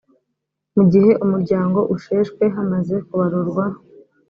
mu gihe umuryango usheshwe hamaze kubarurwa